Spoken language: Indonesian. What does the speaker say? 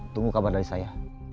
tunggu kabar dari saya